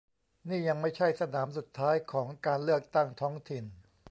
นี่ยังไม่ใช่สนามสุดท้ายของการเลือกตั้งท้องถิ่น